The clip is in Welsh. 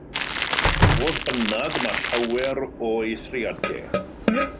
Fodd bynnag, mae llawer o eithriadau.